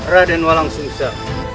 rai dan walang susah